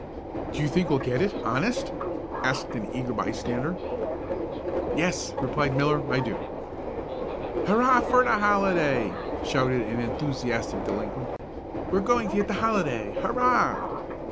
"Do you think we'll get it, honest?" asked an eager bystander. "Yes," replied Miller, "I do." "Hurrah for the holiday!" shouted an enthusiastic delinquent. "We're going to get the holiday! hurrah!"